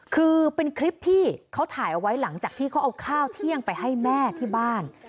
คือเป็นคลิปที่เขาถ่ายเอาไว้หลังจากที่เขาเอาข้าวเที่ยงไปให้แม่ที่บ้าน